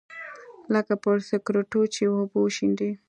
لکه پر سکروټو چې اوبه وشيندې.